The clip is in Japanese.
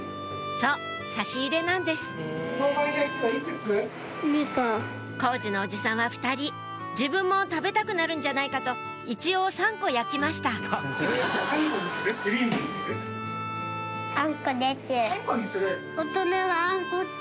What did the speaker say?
そう差し入れなんです工事のおじさんは２人自分も食べたくなるんじゃないかと一応３個焼きましたあんこにする？